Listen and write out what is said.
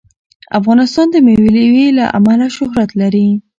افغانستان د مېوې له امله شهرت لري.